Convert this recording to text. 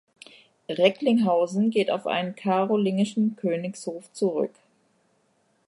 Recklinghausen geht auf einen karolingischen Königshof zurück.